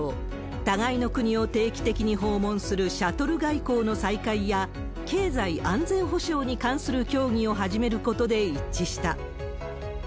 互いの国を定期的に訪問するシャトル外交の再開や、経済安全保障に関する協議を始めることで一致した。